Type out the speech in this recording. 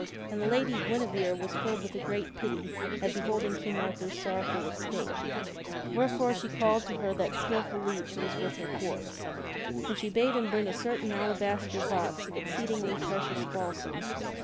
And the Lady Guinevere was filled with a great The j^jy pity at beholding King Arthur's sorrowful estate. Wherefore %%' she called to her that skilful leech who was with her Court, for to heal And she bade him bring a certain alabaster box of exceed &*?< ingly precious balsam.